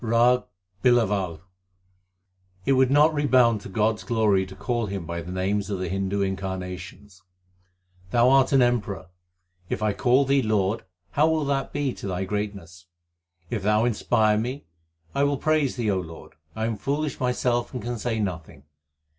RAG BILAWAL It would not redound to God s glory to call Him by the names of the Hindu incarnations. Thou art an emperor ; if I call Thee lord, how will that be to Thy greatness ? If Thou inspire me, I will praise Thee, O Lord ; I am foolish myself and can say nothing.